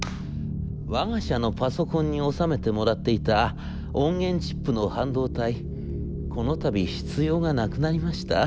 『わが社のパソコンに納めてもらっていた音源チップの半導体この度必要がなくなりました。